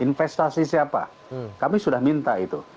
investasi siapa kami sudah minta itu